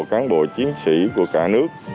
cán bộ chiến sĩ của cả nước